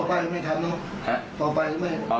ต่อไปไม่ทำเนอะ